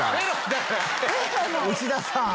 内田さん。